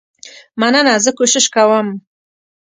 مننه زه کوشش کوم.